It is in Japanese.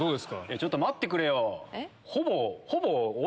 ちょっと待ってくれよ。